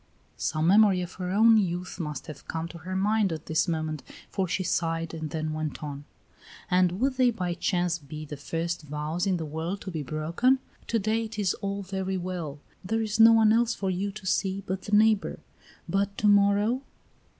Some memory of her own youth must have come to her mind at this moment, for she sighed and then went on: "And would they by chance be the first vows in the world to be broken? To day it is all very well; there is no one else for you to see but the neighbor; but to morrow?"